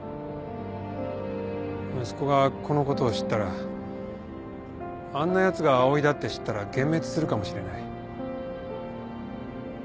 息子がこのことを知ったらあんなやつがＡＯＩだって知ったら幻滅するかもしれない。